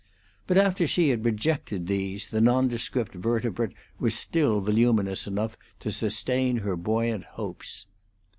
But after she had rejected these the nondescript vertebrate was still voluminous enough to sustain her buoyant hopes.